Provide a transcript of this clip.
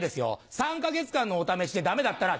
３か月間のお試しでだめだったら、えっ？